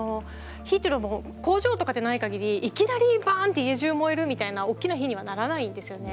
火というのは工場とかでないかぎりいきなりバって家中燃えるみたいな大きな火にはならないですよね。